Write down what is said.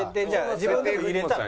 自分でも入れたら？